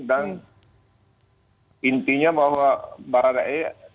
dan intinya bahwa barada e